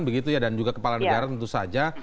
begitu ya dan juga kepala negara tentu saja